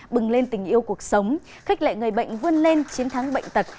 bừng lên tình yêu cuộc sống khích lệ người bệnh vươn lên chiến thắng bệnh tật